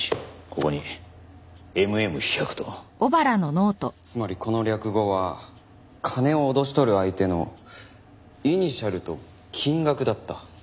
ここに「ＭＭ１００」と。つまりこの略語は金を脅し取る相手のイニシャルと金額だった。